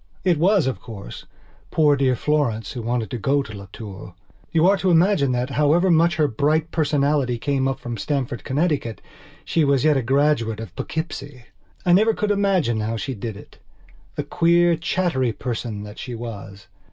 It was, of course, poor dear Florence who wanted to go to Las Tours. You are to imagine that, however much her bright personality came from Stamford, Connecticut, she was yet a graduate of Poughkeepsie. I never could imagine how she did itthe queer, chattery person that she was.